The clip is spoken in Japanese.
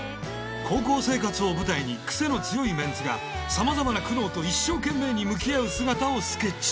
高校生活を舞台に癖の強いメンツがさまざまな苦悩と一生懸命に向き合う姿をスケッチ！